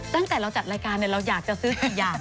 ตั้งแต่เราจัดรายการเราอยากจะซื้อกี่อย่าง